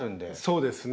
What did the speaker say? そうですね。